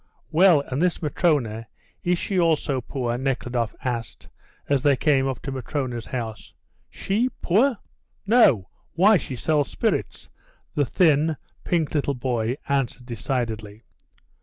"Well, and this Matrona, is she also poor?" Nekhludoff asked, as they came up to Matrona's house. "She poor? No. Why, she sells spirits," the thin, pink little boy answered decidedly.